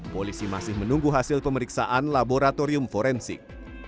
polisi masih menunggu hasil pemeriksaan laboratorium forensik